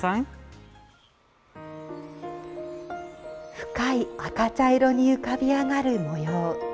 深い赤茶色に浮かび上がる模様。